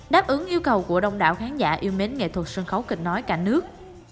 đáp ứng yêu cầu của đông đảo khán giả yêu mến nghệ thuật sân khấu kịch nói cả nước